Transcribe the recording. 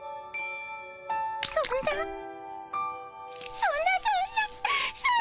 そんなそんなそんなそんな！